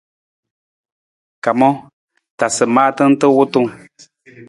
Kamang, tasa maata nta wutung.